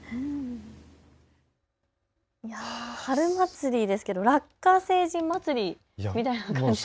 春祭りですけどラッカ星人祭りみたいな感じですね。